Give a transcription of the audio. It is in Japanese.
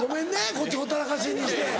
こっちほったらかしにして。